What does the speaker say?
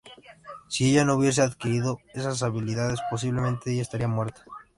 Si ella no hubiese adquirido esas habilidades posiblemente ella estaría muerta.